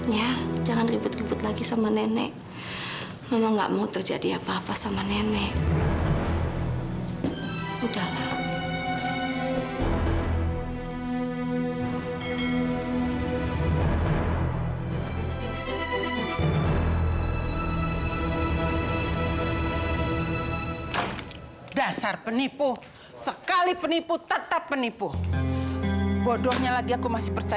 ya jangan ribut ribut lagi sama nenek